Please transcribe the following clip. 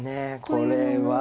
これは。